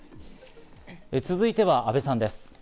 続いては阿部さんです。